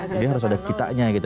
jadi harus ada kitanya gitu